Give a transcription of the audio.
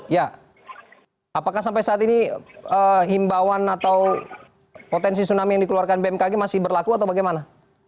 ya apakah sampai saat ini himbawan atau potensi tsunami yang dikeluarkan bmkg masih berlaku atau bagaimana